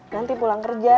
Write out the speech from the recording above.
nanti pulang kerja